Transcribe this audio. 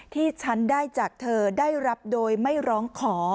ที่ฉันได้จากเธอได้รับโดยไม่ร้องขอ